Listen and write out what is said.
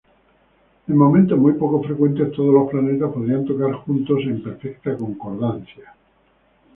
En momentos muy poco frecuentes todos los planetas podrían tocar juntos en perfecta concordancia.